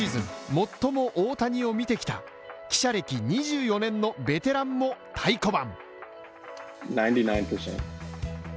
最も大谷を見てきた記者歴２４年のベテランも太鼓判。